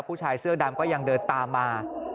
ผู้ชายเสื้อดำก็ยังเดินตามมา